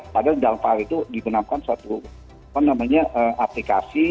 padahal dalam file itu digunakan suatu apa namanya aplikasi